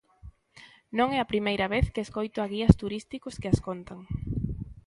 Non é a primeira vez que escoito a guías turísticos que as contan!